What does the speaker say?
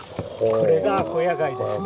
これがアコヤ貝ですね。